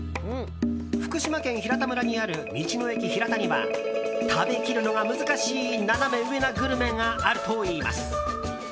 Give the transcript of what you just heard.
福島県平田村にある道の駅ひらたには食べきるのが難しいナナメ上なグルメがあるといいます。